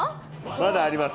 まだあります